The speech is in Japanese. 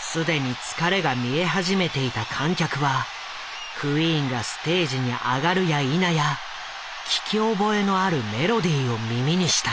すでに疲れが見え始めていた観客はクイーンがステージに上がるやいなや聞き覚えのあるメロディーを耳にした。